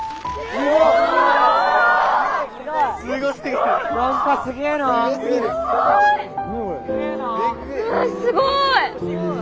うわすごい！